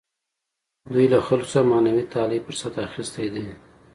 دوی له خلکو څخه معنوي تعالي فرصت اخیستی دی.